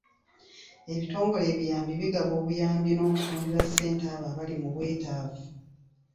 Ebitongole ebiyambi bigaba obuyambi n'okusondera ssente abo abali mu bwetaavu.